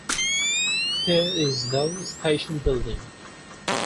There is no station building.